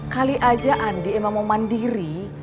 kali aja andi emang mau mandiri